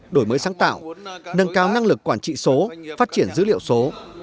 đổi mới sáng tạo nâng cao năng lực quản trị số phát triển dữ liệu số